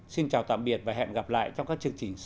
xin chào tạm biệt và hẹn gặp lại trong các chương trình sau